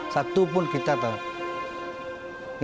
satupun kita tahu